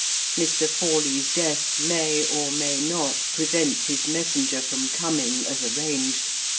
Mr. Forley's death may, or may not, prevent his messenger from coming as arranged.